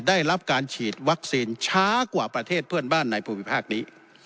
ได้รับการฉีดวัคซีนช้ากว่าประเทศเพื่อนบ้านในภูมิภาคนี้